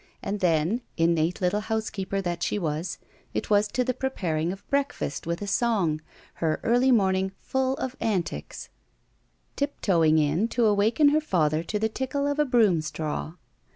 And then, innate httle housekeeper that she was, it was to the preparing of breakfast with a song, h^ early morning ftdl of antics. Tiptoeing in to GUILTY awaken her father to the tickle of a broom straw.